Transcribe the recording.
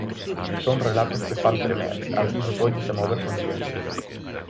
Son relatos que fan tremer, abrir os ollos e mover conciencias.